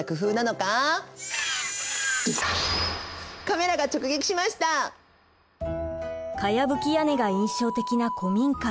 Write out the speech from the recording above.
かやぶき屋根が印象的な古民家。